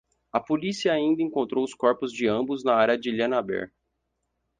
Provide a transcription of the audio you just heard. A polícia ainda encontrou os corpos de ambos na área de Llanaber.